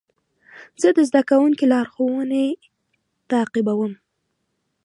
زه د ښوونکي لارښوونې تعقیبوم.